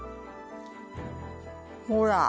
ほら。